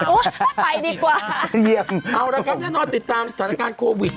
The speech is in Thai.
ไปดีกว่าเอาละครับแน่นอนติดตามสถานการณ์โควิด